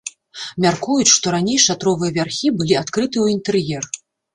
Мяркуюць, што раней шатровыя вярхі былі адкрыты ў інтэр'ер.